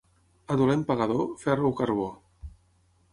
A dolent pagador, ferro o carbó.